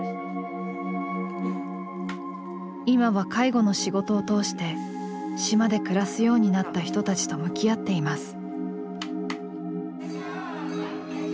今は介護の仕事を通して島で暮らすようになった人たちと向き合っています。